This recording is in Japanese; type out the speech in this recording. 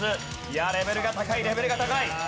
いやあレベルが高いレベルが高い！